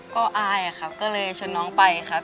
ก็อายครับก็เลยชวนน้องไปครับ